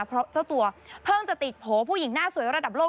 เพราะเจ้าตัวเพิ่งจะติดโผล่ผู้หญิงหน้าสวยระดับโลก